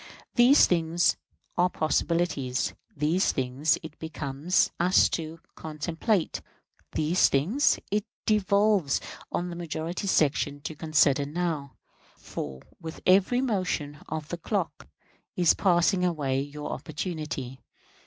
These things are possibilities; these things it becomes us to contemplate; these things it devolves on the majority section to consider now; for with every motion of that clock is passing away your opportunity.